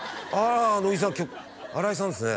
野木さん新井さんですね